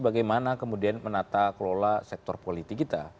bagaimana kemudian menata kelola sektor politik kita